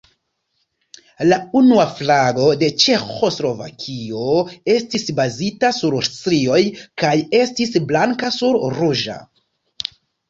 La unua flago de Ĉeĥoslovakio estis bazita sur strioj, kaj estis blanka sur ruĝa.